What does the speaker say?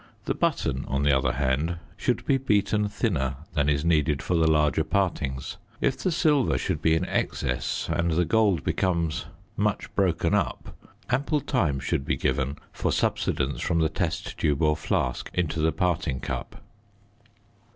The button, on the other hand, should be beaten thinner than is needed for the larger partings. If the silver should be in excess and the gold becomes much broken up, ample time should be given for subsidence from the test tube or flask into the parting cup.